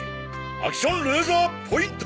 アクションレーザーポインタ！